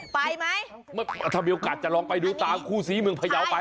ไปไหมถ้ามีโอกาสจะลองไปดูตามคู่ซีเมืองพยาวไป